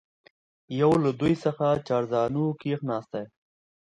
یو له دوی څخه چارزانو کښېنستی.